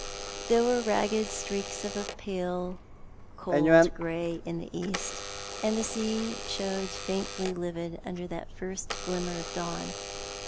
There were ragged streaks of a pale cold grey in the east, and the sea showed faintly livid under that first glimmer of dawn.